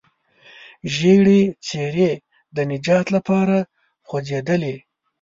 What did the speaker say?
ژېړې څېرې د نجات لپاره خوځېدلې.